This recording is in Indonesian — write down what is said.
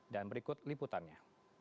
dan berikut liputannya